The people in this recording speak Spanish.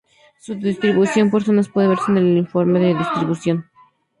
Su distribución por zonas puede verse en el informe ‘Distribución’.